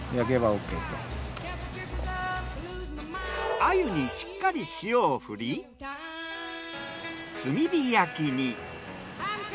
鮎にしっかり塩を振り炭火焼きに。